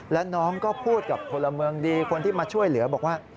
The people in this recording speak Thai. แล้วน้องก็พูดกับพลเมืองดีคนที่มาช่วยเหลือบอกว่า